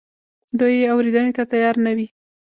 دوی یې اورېدنې ته تیار نه وي.